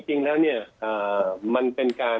จริงเนี่ยมันเป็นการ